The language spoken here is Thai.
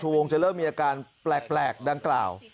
ชูวงกจะมีอาการแปลกดังกล่าว